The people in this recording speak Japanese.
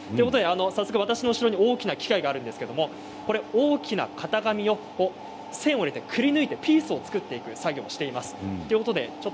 早速、私の後ろに大きな機械があるんですけど大きな型紙を線も入れて、くりぬいてピースを作っていく作業をしています。